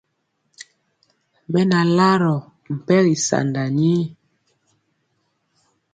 Mɛ na larɔ mpɛgi sanda nii.